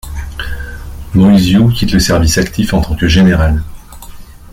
Moisiu quitte le service actif en tant que général.